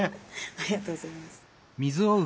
ありがとうございます。